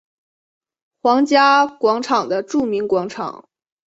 皇家广场的著名广场。